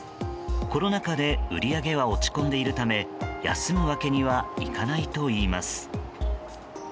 コロナ禍で売り上げは落ち込んでいるため休むわけにはいかないといいます。